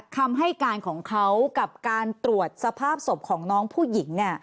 คำให้การของเขากับการตรวจสภาพศพของน้องผู้หญิง